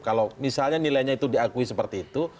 kalau misalnya nilainya itu diakui seperti itu